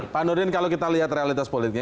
pak nurdin kalau kita lihat realitas politiknya